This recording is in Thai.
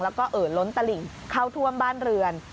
แล้วก็เอ่อล้นตลิ่งเข้าท่วมบ้านเรือน